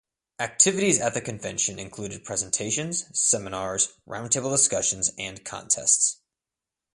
Activities at the convention included presentations, seminars, round-table discussions and contests.